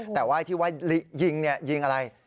แต่ไหว้ที่ไหว้ยิงเยี่ยงอะไร